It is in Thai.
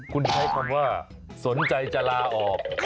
คุณใช้คำว่าสนใจจะลาออก